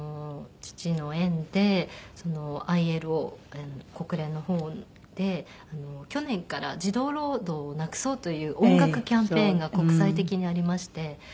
父の縁でＩＬＯ国連の方で去年から児童労働をなくそうという音楽キャンペーンが国際的にありまして。